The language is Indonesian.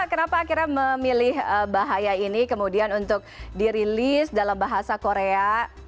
kenapa akhirnya memilih bahaya ini kemudian untuk dirilis dalam bahasa korea